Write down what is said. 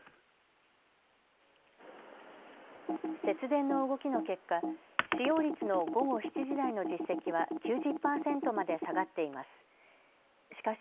節電の動きの結果、使用率の午後７時台の実績は９０％まで下がっています。